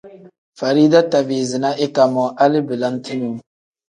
Farida tabiizi na ika moo hali belente nyoo.